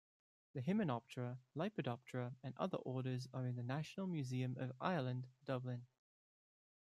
The Hymenoptera, Lepidoptera and other orders are in the National Museum of Ireland, Dublin.